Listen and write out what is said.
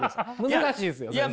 難しいですよ先生。